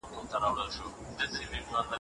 د اوښکو د پردو ترشا روستۍ کرښه ایله ولوسته: